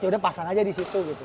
ya udah pasang aja di situ gitu